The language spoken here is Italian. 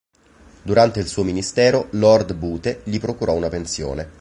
Durante il suo ministero, Lord Bute gli procurò una pensione.